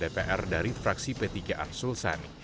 dpr dari fraksi p tiga arsul sani